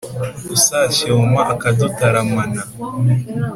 usashyoma akadutaramana,